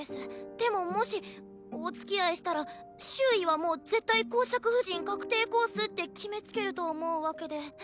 でももしおつきあいしたら周囲はもう絶対侯爵夫人確定コースって決めつけると思うわけで。